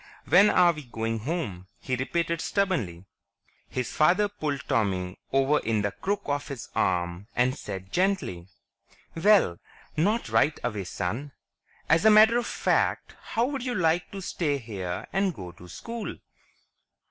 "When are we going home?" he repeated stubbornly. His father pulled Tommy over in the crook of his arm and said gently, "Well, not right away, son. As a matter of fact, how would you like to stay here and go to school?"